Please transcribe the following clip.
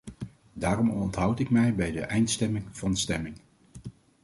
Daarom onthoud ik mij bij de eindstemming van stemming.